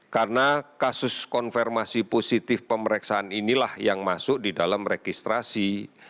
karena kasus konfirmasi positif pemeriksaan inilah yang masuk di dalam registrasi